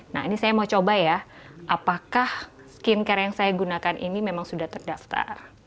nah ini saya mau coba ya apakah skincare yang saya gunakan ini memang sudah terdaftar